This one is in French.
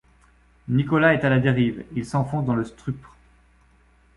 Nicolas est à la dérive, il s’enfonce dans le stupre.